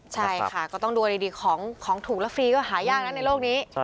ใช่ค่ะก็ต้องดูกันดีของถูกแล้วฟรีก็หายากนะในโลกนี้